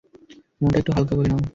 মনটা একটু হালকা করে নাও।